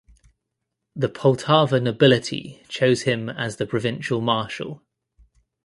The Poltava nobility chose him as the provincial marshal.